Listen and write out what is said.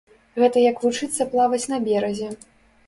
Гэта як вучыцца плаваць на беразе.